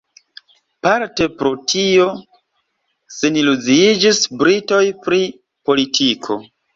Parte pro tio seniluziiĝis britoj pri politiko.